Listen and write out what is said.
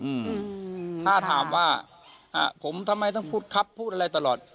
อืมถ้าถามว่าอ่าผมทำไมต้องพูดครับพูดอะไรตลอด